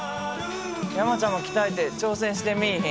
山ちゃんも鍛えて挑戦してみいひん？